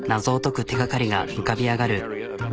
謎を解く手がかりが浮かび上がる。